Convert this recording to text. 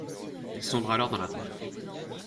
Il sombre alors dans la drogue.